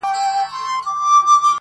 هره ورځ یې شکایت له غریبۍ وو -